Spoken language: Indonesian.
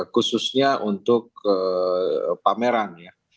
khususnya untuk pameran ya